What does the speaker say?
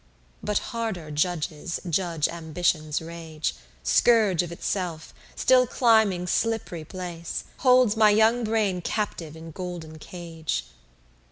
But harder judges judge ambition's rage, Scourge of itself, still climbing slipp'ry place, Holds my young brain cativ'd in golden cage.